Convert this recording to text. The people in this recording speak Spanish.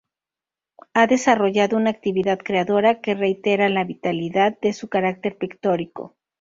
Ha desarrollado una actividad creadora que reitera la vitalidad de su carácter pictórico.